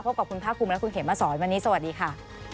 พบกับคุณพระคุมและคุณเห็นมาสอนวันนี้สวัสดีค่ะ